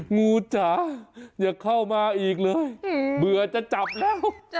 งูจ๋าอย่าเข้ามาอีกเลยเบื่อจะจับแล้ว